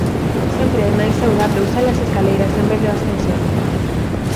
Sempre é máis saudable usar as escaleiras en vez do ascensor.